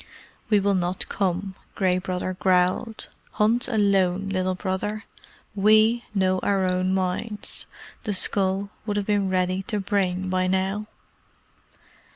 "We will not come," Gray Brother growled. "Hunt alone, Little Brother. WE know our own minds. The skull would have been ready to bring by now."